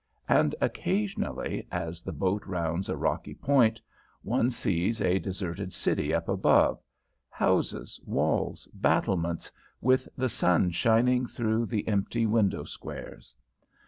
And, occasionally, as the boat rounds a rocky point, one sees a deserted city up above, houses, walls, battlements, with the sun shining through the empty window squares.